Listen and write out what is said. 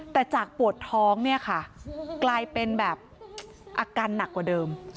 แต่จากปวดท้องเนี่ยค่ะกลายเป็นแบบอาการหนักกว่าเดิม